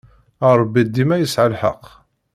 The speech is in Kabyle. Ṛebbi dima yesɛa lḥeqq.